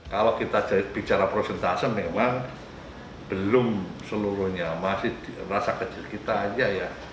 kalau kita bicara prosentase memang belum seluruhnya masih rasa kecil kita aja ya